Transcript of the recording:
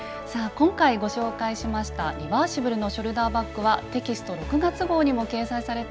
今回ご紹介しました「リバーシブルのショルダーバッグ」はテキスト６月号にも掲載されています。